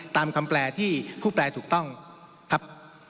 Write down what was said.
ตามคำแปลที่ผู้แปลถูกต้องครับ